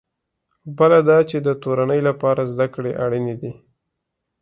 بله دا چې د تورنۍ لپاره زده کړې اړینې دي.